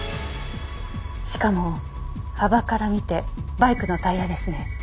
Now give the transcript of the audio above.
しかも幅から見てバイクのタイヤですね。